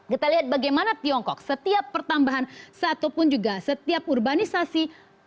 kita lihat bagaimana tiongkok setiap pertambahan satu pun juga setiap urbanisasi